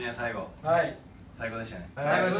最高でした。